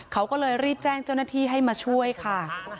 เขาก็เลยรีบแจ้งเจ้าหน้าที่ให้มาช่วยค่ะ